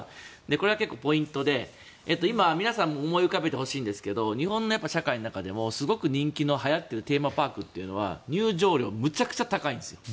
これは結構ポイントで今、皆さんも思い浮かべてほしいんですが日本の社会の中でもすごく人気のはやっているテーマパークというのは入場料むちゃくちゃ高いんです。